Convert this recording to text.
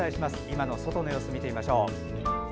今の外の様子を見てみましょう。